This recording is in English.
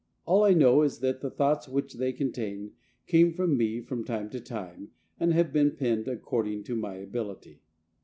All I know is that the thoughts which they contain came to me from time to time, and have been penned according to my ability.